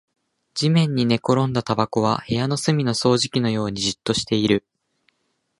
地面に寝転んだタバコは部屋の隅の掃除機のようにじっとしている